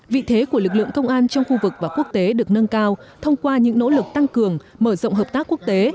vị thế của lực lượng công an trong khu vực và quốc tế được nâng cao thông qua những nỗ lực tăng cường mở rộng hợp tác quốc tế